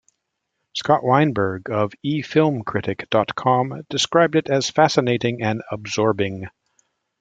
Scott Weinberg of eFilmCritic dot com described it as Fascinating and absorbing.